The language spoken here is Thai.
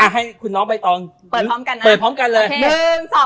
ให้คุณน้องใบตองเปิดพร้อมกันนะ